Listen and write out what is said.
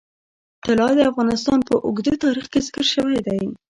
طلا د افغانستان په اوږده تاریخ کې ذکر شوی دی.